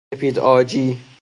سپید عاجی